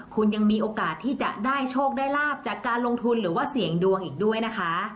คุณยังมีโอกาสที่จะได้โชคได้ลาบจากการลงทุนหรือว่าเสี่ยงดวงอีกด้วยนะคะ